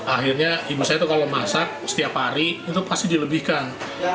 akhirnya ibu saya itu kalau masak setiap hari itu pasti dilebihkan